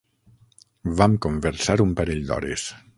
Vam conversar un parell d'hores.